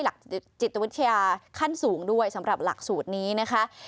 หลักจิตวิทยาขั้นสูงด้วยสำหรับหลักสูตรนี้นะคะ